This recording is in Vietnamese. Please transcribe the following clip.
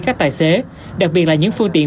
các tài xế đặc biệt là những phương tiện